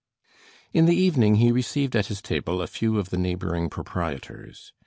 In the evening he received at his table a few of the neighboring proprietors.